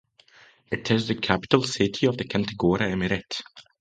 It is the capital city of the Kontagora Emirate.